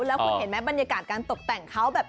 แล้วคุณเห็นไหมบรรยากาศการตกแต่งเขาแบบ